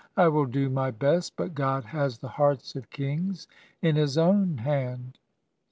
... I will do my best, but God has the hearts of kings in His own hand.